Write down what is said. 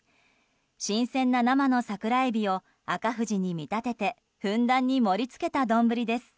新鮮な生の桜エビを赤富士に見立ててふんだんに盛り付けた丼です。